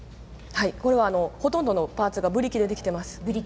ほとんどのパーツがブリキで、できています。